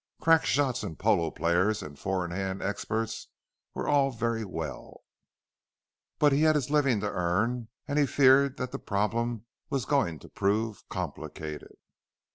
Crack shots and polo players and four in hand experts were all very well, but he had his living to earn, and he feared that the problem was going to prove complicated.